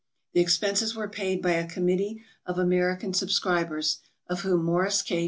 The expenses were paid by a committee of American subscribers, of whom Morris K.